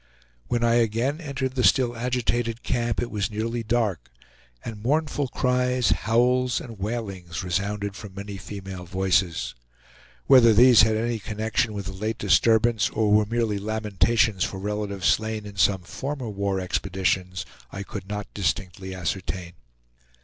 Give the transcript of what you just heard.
When I again entered the still agitated camp it was nearly dark, and mournful cries, howls and wailings resounded from many female voices. Whether these had any connection with the late disturbance, or were merely lamentations for relatives slain in some former war expeditions, I could not distinctly ascertain.